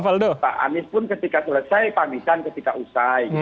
pak anies pun ketika selesai pamitan ketika usai